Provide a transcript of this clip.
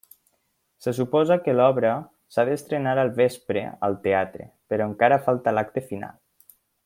Se suposa que l'obra s'ha d'estrenar el vespre al teatre, però encara falta l'acte final.